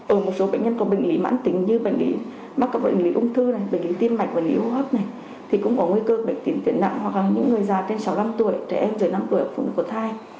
ở một số bệnh nhân có bệnh lý mãn tính như bệnh lý mắc cấp bệnh lý ung thư bệnh lý tim mạch bệnh lý hô hấp này thì cũng có nguy cơ bệnh tiền tiền nặng hoặc là những người già trên sáu mươi năm tuổi trẻ em dưới năm tuổi hoặc phụ nữ có thai